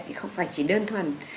thì không phải chỉ đơn thuần